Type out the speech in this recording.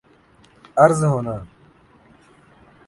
عرض ہونا